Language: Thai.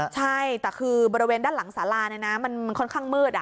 ใช่แต่คือบริเวณด้านหลังสารามันค่อนข้างมืด